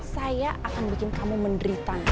saya akan bikin kamu menderita